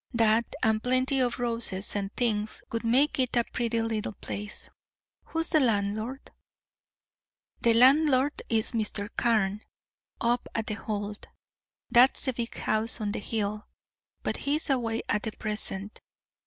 That and plenty of roses and things would make it a pretty little place. Who is the landlord?" "The landlord is Mr. Carne, up at The Hold; that's the big house on the hill. But he is away at present.